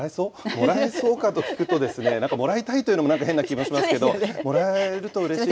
もらえそうかと聞くと、なんかもらいたいというのもなんか変な気もしますけれども、もらえるとうれしいなと。